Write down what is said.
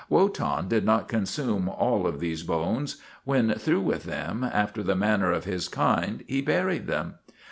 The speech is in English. Wotan did not consume all of these bones. When through with them, after the manner of his kind, he buried them.